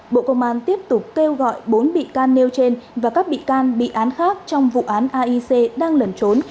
bộ công an tiếp tục kêu gọi bốn bị can nêu trên và các bị can bị án khác trong vụ án aic đang lẩn trốn